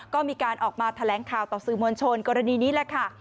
ก็มีการออกมาแถลงข่าวต่อสื่อมวลชนกรณีนี้แหละค่ะ